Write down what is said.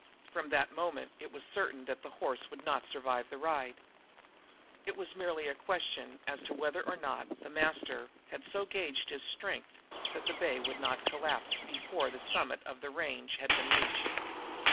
From that moment it was certain that the horse would not survive the ride. It was merely a question as to whether or not the master had so gaged his strength that the bay would not collapse before even the summit of the range had been reached.